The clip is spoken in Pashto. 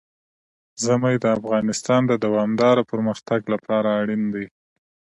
ژمی د افغانستان د دوامداره پرمختګ لپاره اړین دي.